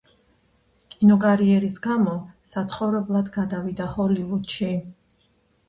კინოკარიერის გამო საცხოვრებლად გადავიდა ჰოლივუდში.